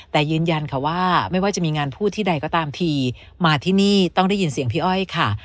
แต่ยืนยันค่ะว่าไม่ว่าจะมีงานพูดที่ใดก็ตามทีมาที่นี่ต้องได้ยินเสียงพี่อ้อยค่ะ